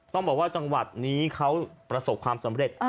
ต้องบอกว่าจังหวัดนี้เขาประสบความสำเร็จ